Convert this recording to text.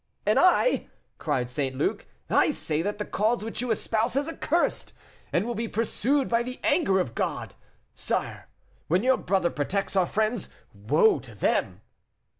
"And I," cried St. Luc, "I say that the cause which you espouse is accursed, and will be pursued by the anger of God. Sire, when your brother protects our friends, woe to them."